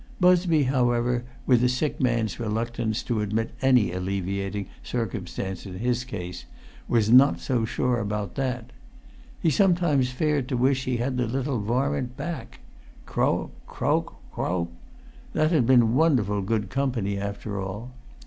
Busby, however, with a sick man's reluctance to admit any alleviating circumstance in his case, was not so sure about that. He sometimes fared to wish he had the little varmin back. Croap, croap, croap! That had been wonderful good company after all.